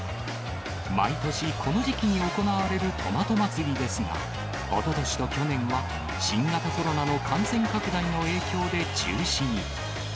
毎年、この時期に行われるトマト祭りですが、おととしと去年は、新型コロナの感染拡大の影響で中止に。